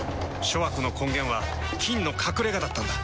諸悪の根源は「菌の隠れ家」だったんだ。